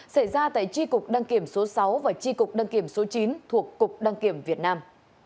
xảy ra tại tri cục đăng kiểm số sáu và tri cục đăng kiểm số chín thuộc cục đăng kiểm việt nam